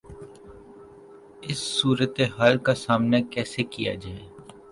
اس صورتحال کا سامنا کیسے کیا جائے؟